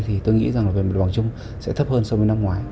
thì tôi nghĩ rằng là về mặt bằng chung sẽ thấp hơn so với năm ngoái